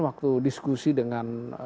waktu diskusi dengan